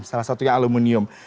salah satunya aluminium